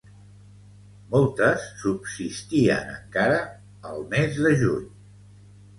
Moltes subsistien encara el mes de juny.